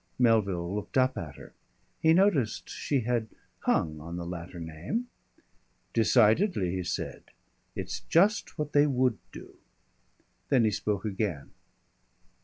Melville looked up at her. He noticed she had hung on the latter name. "Decidedly," he said. "It's just what they would do." Then he spoke again.